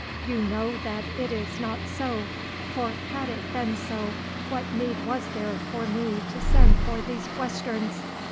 You know that it is not so, for had it been so what need was there for me to send for these Westerns?